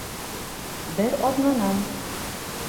Бер аҙнанан